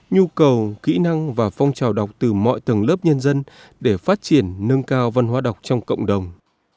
nhu cầu kỹ năng và phong trào đọc từ mọi tầng lớp nhân dân để phát triển nâng cao văn hóa đọc trong cộng đồng